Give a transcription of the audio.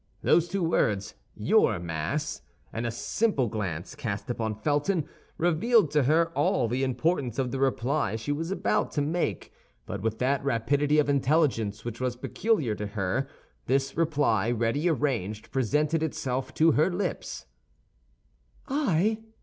Those two words, your Mass, and a simple glance cast upon Felton, revealed to her all the importance of the reply she was about to make; but with that rapidity of intelligence which was peculiar to her, this reply, ready arranged, presented itself to her lips: "I?"